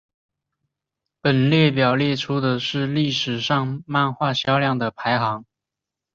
本列表列出的是历史上漫画销量的排行。